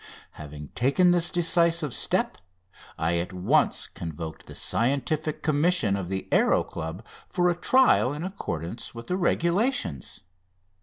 Having taken this decisive step I at once convoked the Scientific Commission of the Aéro Club for a trial in accordance with the regulations.